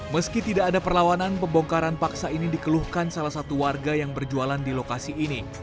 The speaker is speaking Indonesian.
meski tidak ada perlawanan pembongkaran paksa ini dikeluhkan salah satu warga yang berjualan di lokasi ini